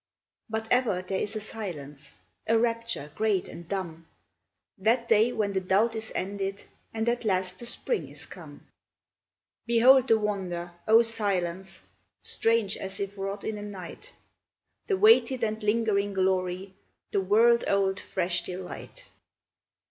But ever there is a silence, A rapture great and dumb, That day when the doubt is ended, And at last the spring is come. Behold the wonder, O silence! Strange as if wrought in a night, The waited and lingering glory, The world old fresh delight!